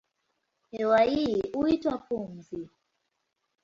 Hewa hii huitwa pumzi.